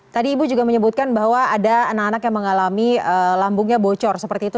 tadi ibu juga menyebutkan bahwa ada anak anak yang mengalami lambungnya bocor seperti itu